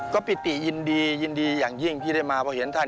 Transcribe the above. ก็ปริติยินดียินดีอย่างยิ่งที่ได้มา